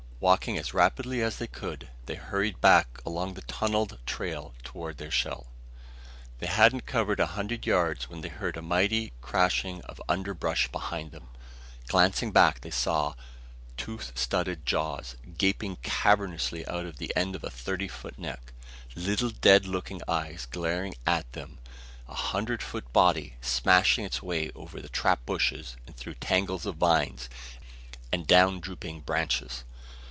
Walking as rapidly as they could, they hurried back along the tunneled trail toward their shell. They hadn't covered a hundred yards when they heard a mighty crashing of underbrush behind them. Glancing back, they saw tooth studded jaws gaping cavernously at the end of a thirty foot neck little, dead looking eyes glaring at them a hundred foot body smashing its way over the trap bushes and through tangles of vines and down drooping branches.